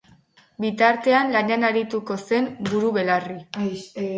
Bitartean lanean arituko zen buru-belarri.